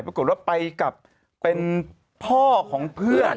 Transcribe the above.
ปรากฏว่าไปกับเป็นพ่อของเพื่อน